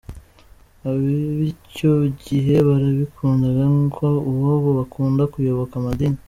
Ab’icyo gihe barabikundaga nk’uko ab’ubu bakunda kuyoboka amadini.